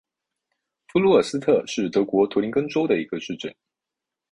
弗卢尔斯特是德国图林根州的一个市镇。